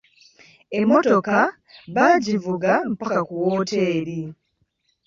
Emmotoka baagivuga mpaka ku wooteri.